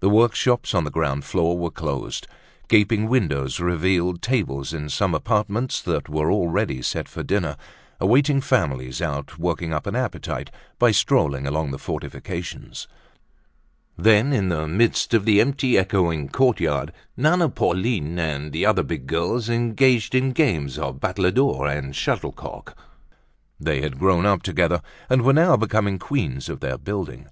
The workshops on the ground floor were closed. Gaping windows revealed tables in some apartments that were already set for dinner, awaiting families out working up an appetite by strolling along the fortifications. Then, in the midst of the empty, echoing courtyard, Nana, Pauline and other big girls engaged in games of battledore and shuttlecock. They had grown up together and were now becoming queens of their building.